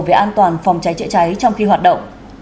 về an toàn phòng trái chữa trái trong khi hoạt động